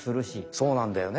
そうなんだよね。